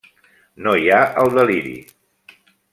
No hi ha el deliri.